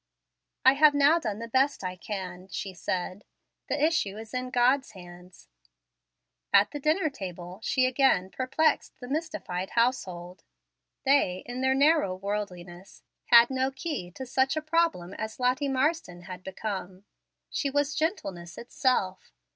"I have now done the best I can," she said. "The issue is in God's hands." At the dinner table she again perplexed the mystified household. They, in their narrow worldliness, had no key to such a problem as Lottie Marsden had become. She was gentleness itself.